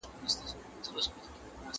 ¬ د گران رانيول څه دي، د ارزان خرڅول څه دي.